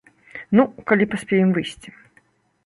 Ну, калі паспеем выйсці.